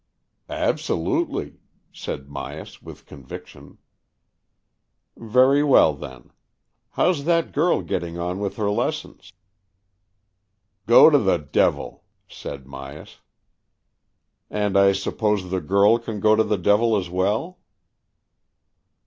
"Absolutely," said Myas, with conviction. " Very well, then. How's that girl getting on with her lessons ?"" Go to the devil !" said Myas. "And I suppose the girl can go to the devil as well